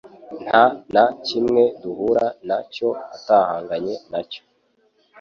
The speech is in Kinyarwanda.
nta na kimwe duhura na cyo atahanganye na cyo.